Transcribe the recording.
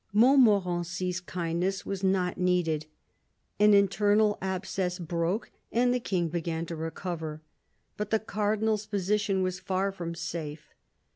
Montmorency's kindness was not needed. An internal abscess broke, and the King began to recover. But the Cardinal's position was far from safe.